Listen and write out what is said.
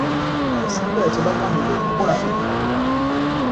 abaserikale kye bagambibwa okukola kye bakola